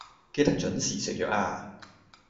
記得準時食藥呀